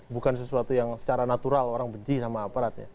bukan sesuatu yang secara natural orang benci sama aparatnya